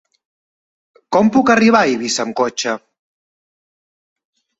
Com puc arribar a Eivissa amb cotxe?